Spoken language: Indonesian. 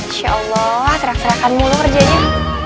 insya allah serak serahkan mulu kerjanya